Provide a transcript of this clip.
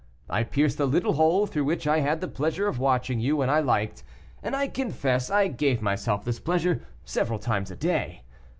I pierced a little hole, through which I had the pleasure of watching you when I liked, and I confess I gave myself this pleasure several times a day.